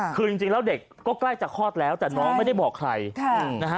คือจริงแล้วเด็กก็ใกล้จะคลอดแล้วแต่น้องไม่ได้บอกใครนะฮะ